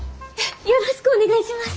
よろしくお願いします！